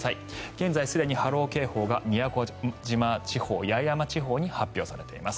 現在、すでに波浪警報宮古島地方、八重山地方に発表されています。